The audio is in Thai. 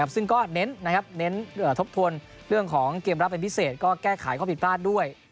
ซึ่งก็เน้นทบทวนเรื่องของเกมรับเป็นพิเศษก็แก้ไขข้อผิดพลาดด้วย